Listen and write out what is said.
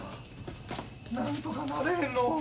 なんとかなれへんの。